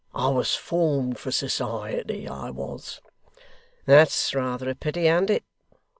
I was formed for society, I was.' 'That's rather a pity, an't it?